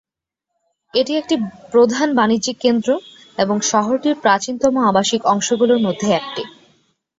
এটি একটি প্রধান বাণিজ্যিক কেন্দ্র এবং শহরটির প্রাচীনতম আবাসিক অংশগুলির মধ্যে একটি।